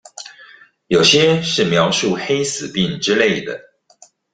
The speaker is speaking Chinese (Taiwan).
有些是描述黑死病之類的